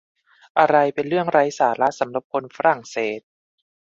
อะไรเป็นเรื่องไร้สาระสำหรับคนฝรั่งเศส